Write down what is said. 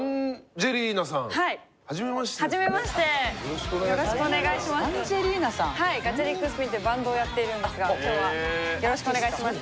ＧａｃｈａｒｉｃＳｐｉｎというバンドをやっているんですが今日はよろしくお願いします。